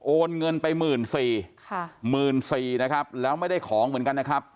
โอนเงินไป๑๔๐๐๐บาทไม่ได้ของเหมือนกัน